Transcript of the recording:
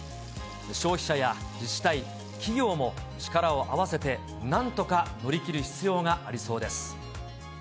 消費者や自治体、企業も力を合わせて、なんとか乗り切る必要がありそうです。